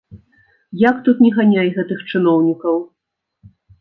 Як тут не ганяй гэтых чыноўнікаў.